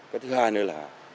cái thứ hai nữa là